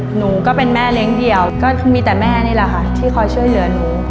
หนูก็เป็นแม่เลี้ยงเดี่ยวก็มีแต่แม่นี่แหละค่ะที่คอยช่วยเหลือหนู